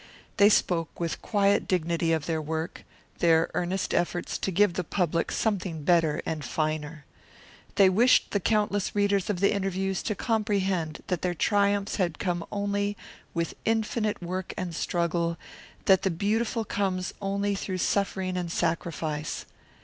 They spoke with quiet dignity of their work, their earnest efforts to give the public something better and finer. They wished the countless readers of the interviews to comprehend that their triumphs had come only with infinite work and struggle, that the beautiful comes only through suffering and sacrifice.